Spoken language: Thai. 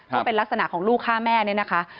ว่าเป็นลักษณะของลูกฆ่าแม่เนี่ยนะคะ